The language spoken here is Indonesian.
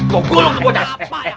gua gulung tuh bocah